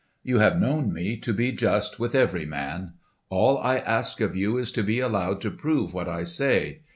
You have known me to be just with every man. All I ask of you is to be allowed to prove what I say.